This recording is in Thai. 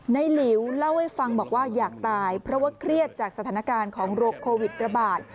หลิวเล่าให้ฟังบอกว่าอยากตายเพราะว่าเครียดจากสถานการณ์ของโรคโควิดระบาด